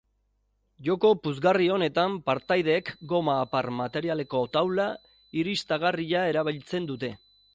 Joko puzgarri honetan partaideek goma-apar materialeko taula irristagarria erabiltzen dute.